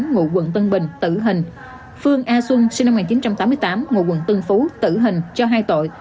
ngụ quận tân bình tử hình phương a xuân sinh năm một nghìn chín trăm tám mươi tám ngụ quận tân phú tử hình cho hai tội